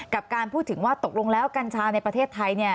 การพูดถึงว่าตกลงแล้วกัญชาในประเทศไทย